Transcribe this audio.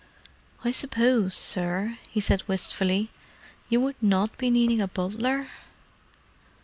"I suppose, sir," he said wistfully, "you would not be needing a butler?"